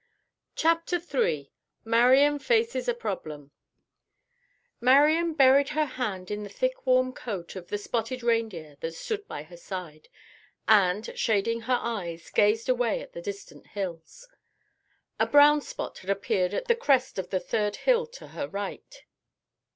CHAPTER III MARIAN FACES A PROBLEM Marian buried her hand in the thick warm coat of the spotted reindeer that stood by her side and, shading her eyes, gazed away at the distant hills. A brown spot had appeared at the crest of the third hill to her right.